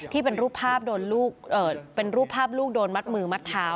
ที่เป็นรูปภาพลูกโดนมัดมือมัดเท้า